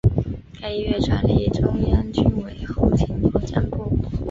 该医院转隶中央军委后勤保障部。